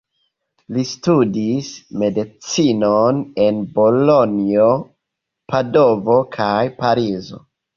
Li studis Medicinon en Bolonjo, Padovo kaj Parizo.